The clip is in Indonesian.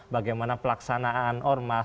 bagaimana pelaksanaan ormas